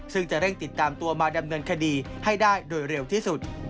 ซึ่งจะเร่งติดตามตัวมาดำเนินคดีให้ได้โดยเร็วที่สุด